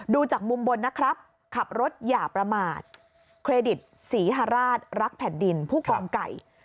ดูจากมุมบนนะครับขับรถอย่าประมาทเครดิตศรีฮราชรักแผ่นดินผู้กองไก่